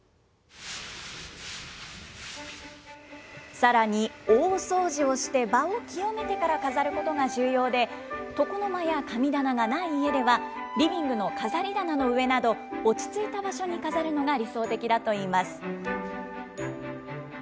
さらに大掃除をして場を清めてから飾ることが重要で、床の間や神棚がない家では、リビングの飾り棚の上など、落ち着いた場所に飾るのが理想的だといいます。